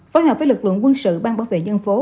phối hợp với lực lượng quân sự bang bảo vệ dân phố